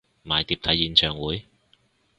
買碟睇演唱會？